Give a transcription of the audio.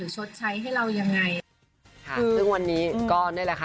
ซึ่งวันนี้ก็นี่แหละค่ะ